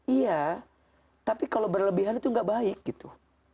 iya tapi kalau berlebihan itu gak baik gitu